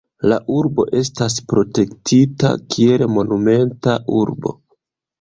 La urbo estas protektita kiel Monumenta Urbo.